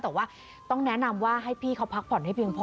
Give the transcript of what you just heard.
แต่ว่าต้องแนะนำว่าให้พี่เขาพักผ่อนให้เพียงพอ